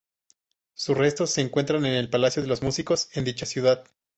Sus restos se encuentran en el "Palacio de los Músicos" en dicha ciudad.